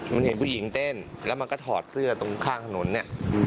มันเห็นผู้หญิงเต้นแล้วมันก็ถอดเสื้อตรงข้างถนนเนี่ย